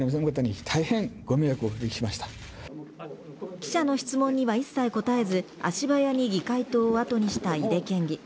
記者の質問には一切答えず足早に議会棟をあとにした井手県議。